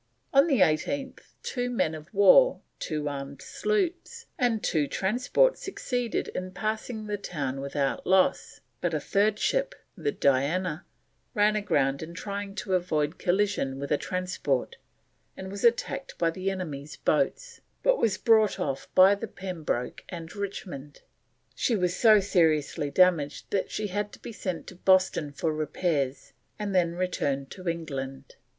On the 18th two men of war, two armed sloops and two transports succeeded in passing the town without loss, but a third ship, the Diana, ran aground in trying to avoid collision with a transport, and was attacked by the enemy's boats, but was brought off by the Pembroke and Richmond. She was so seriously damaged that she had to be sent to Boston for repairs and then returned to England.